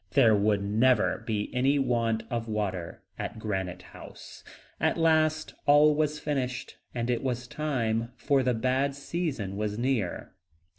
There would never be any want of water at Granite House. At last all was finished, and it was time, for the bad season was near.